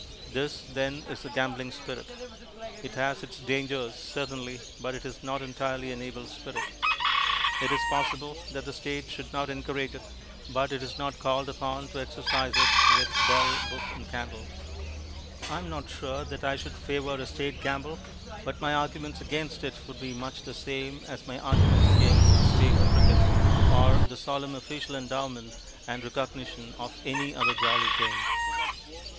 This, then, is the gambling spirit. It has its dangers, certainly, hut it is not entirely an evil spirit. It is possible that the State should not encourage it, but it is not called upon to exorcise it with bell, and book, and candle. I am not sure that I should favour a State gamble, but my arguments against it would be much the same as my arguments against State cricket or the solemn official endowment and recognition of any other jolly game.